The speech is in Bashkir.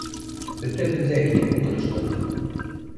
Бөтәбеҙ ҙә инеп ултырыштыҡ.